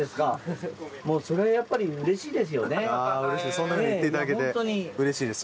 そんなふうに言っていただけてうれしいです。